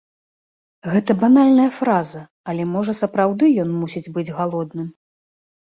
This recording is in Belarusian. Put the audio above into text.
Гэта банальная фраза, але, можа, сапраўды ён мусіць быць галодным.